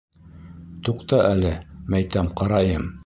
Туҡта әле, мәйтәм, ҡарайым.